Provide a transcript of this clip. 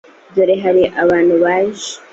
dore hari abantu baje